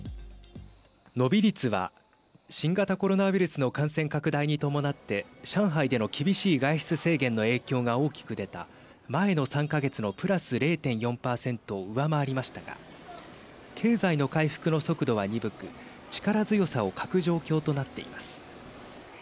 伸び率は新型コロナウイルスの感染拡大に伴って上海での厳しい外出制限の影響が大きく出た前の３か月のプラス０．４％を上回りましたが経済の回復の速度は鈍く力強さを欠く状況となっています。